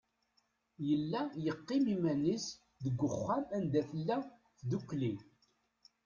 Yella yeqqim iman-is deg uxxam anda tella tdukkli.